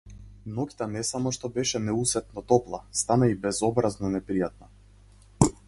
Ноќта не само што беше неусетно топла, стана и безобразно непријатна.